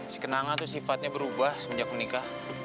si kenanga itu sifatnya berubah semenjak menikah